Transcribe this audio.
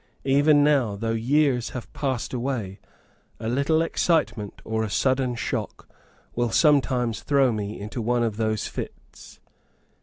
Even now, though years have passed away, a little excitement or a sudden shock, will sometimes throw me into one of those fits.